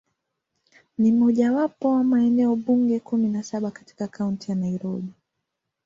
Ni mojawapo wa maeneo bunge kumi na saba katika Kaunti ya Nairobi.